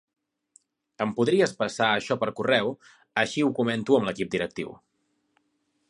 Em podries passar això per correu, així ho comento amb l'equip directiu.